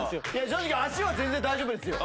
正直足は全然大丈夫ですよ。